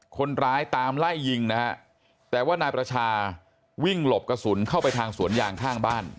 คนร้ายตามไล่ยิงนะฮะแต่ว่านายประชาวิ่งหลบกระสุนเข้าไปทางสวนยางข้างบ้าน